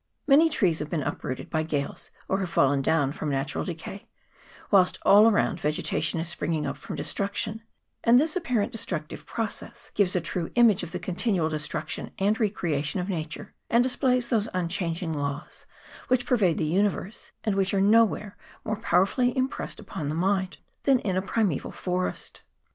Many trees have been uprooted by gales, or have fallen down from natural decay, whilst all around vegeta tion is springing up from destruction, and this apparent destructive process gives a true, image of the continual destruction and re creation of Nature, and displays those unchanging laws which pervade the universe, and which are nowhere more power fully impressed upon the mind than in a primeval forest.